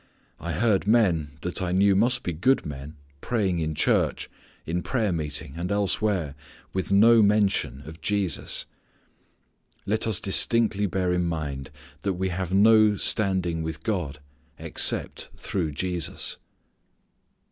I heard men, that I knew must be good men, praying in church, in prayer meeting and elsewhere with no mention of Jesus. Let us distinctly bear in mind that we have no standing with God except through Jesus.